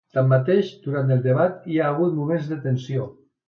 Tanmateix, durant el debat hi ha hagut moments de tensió.